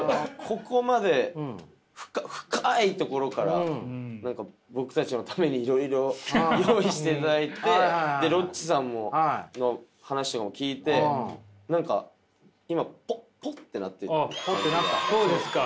ここまで深いところから僕たちのためにいろいろ用意していただいてロッチさんの話も聞いてそうですか。